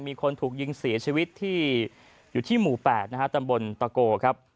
มีคนถูกยิงเสียชีวิตที่อยู่ที่หมู่๘นะฮะตำบลตะโกครับ